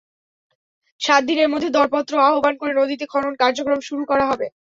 সাত দিনের মধ্যে দরপত্র আহ্বান করে নদীতে খনন কার্যক্রম শুরু করা হবে।